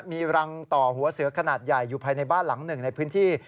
มีรังต่อหัวเสือขนาดใหญ่อยู่ภายในบ้านหลังหนึ่งในพื้นที่